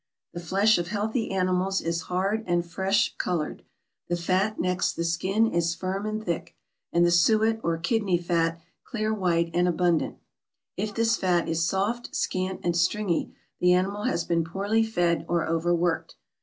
The flesh of healthy animals is hard and fresh colored, the fat next the skin is firm and thick, and the suet or kidney fat clear white and abundant; if this fat is soft, scant and stringy, the animal has been poorly fed or overworked.